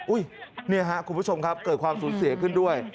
นี่ฮะคุณผู้ชมครับเกิดความสูญเสียขึ้นด้วย